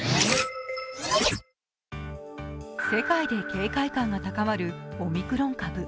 世界で警戒感が高まるオミクロン株。